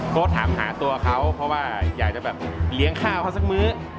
ถามหาตัวเขาเพราะว่าอยากจะแบบเลี้ยงข้าวเขาสักมื้อ